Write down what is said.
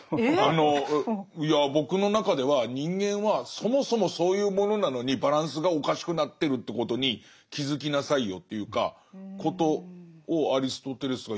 僕の中では人間はそもそもそういうものなのにバランスがおかしくなってるということに気付きなさいよということをアリストテレスが言ってる気がして。